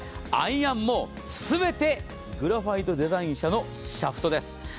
アイアンも全てグラファイトデザイン社のシャフトです。